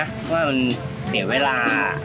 เพราะว่ามันเสียเวลา